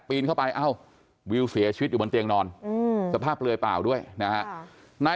ปีนเข้าไปวิวเสียชีวิตบนเทียงนอนสภาพเปลือยเปล่าด้วยนะไหว้